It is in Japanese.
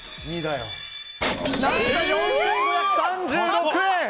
何と、４５３６円！